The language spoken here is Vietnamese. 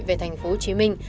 về thành phố hồ chí minh